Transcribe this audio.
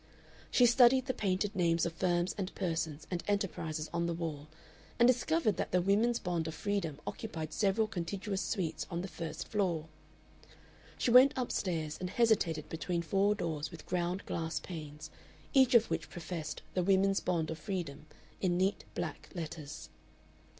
She studied the painted names of firms and persons and enterprises on the wall, and discovered that the Women's Bond of Freedom occupied several contiguous suites on the first floor. She went up stairs and hesitated between four doors with ground glass panes, each of which professed "The Women's Bond of Freedom" in neat black letters.